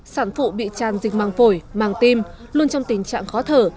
sản phụ bị tràn dịch mang phổi mang tim luôn trong tình trạng khó thở